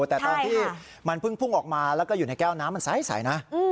แต่ตอนที่มันเพิ่งพุ่งออกมาแล้วก็อยู่ในแก้วน้ำมันใสนะ